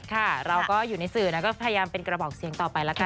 ค่ะเราก็อยู่ในสื่อนะก็พยายามเป็นกระบอกเสียงต่อไปละกัน